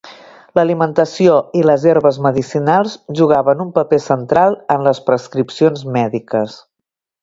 L'alimentació i les herbes medicinals jugaven un paper central en les prescripcions mèdiques.